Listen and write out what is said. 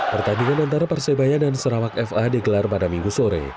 pertandingan antara persebaya dan sarawak fa digelar pada minggu sore